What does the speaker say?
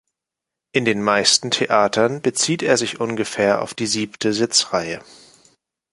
In den meisten Theatern bezieht er sich ungefähr auf die siebte Sitzreihe.